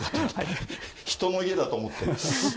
人の家だと思ってます。